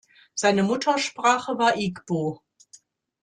Seine Muttersprache war Igbo.